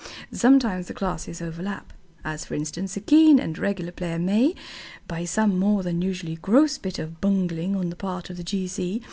Sometimes the classes overlap. As for instance, a keen and regular player may, by some more than usually gross bit of bungling on the part of the G.